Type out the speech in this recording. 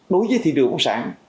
đối với thị trường công sản